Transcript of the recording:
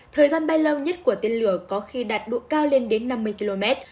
thời gian bay lâu nhất của tên lửa có khi đạt độ cao lên đến năm mươi km